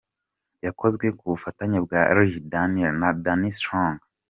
Yakozwe ku bufatanye bwa Lee Daniels na Danny Strong.